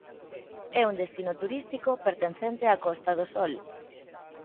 É un destino turístico pertencente á Costa do Sol.